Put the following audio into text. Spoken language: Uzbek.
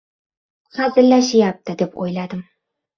Hazillashayapti, deb o‘yladim.